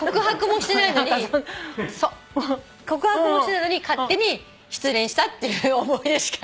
告白もしてないのに勝手に失恋したっていう思い出しかない。